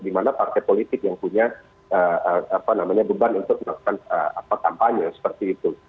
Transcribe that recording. di mana partai politik yang punya beban untuk melakukan kampanye seperti itu